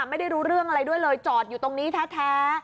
ไม่ได้รู้เรื่องอะไรด้วยเลยจอดอยู่ตรงนี้แท้